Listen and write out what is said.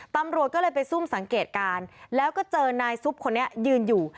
ตำรวจก็เลยไปซุ่มสังเกตการณ์แล้วก็เจอนายซุปคนนี้ยืนอยู่